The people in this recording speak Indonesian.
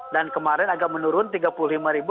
dan kemarin agak menurun tiga puluh lima ribu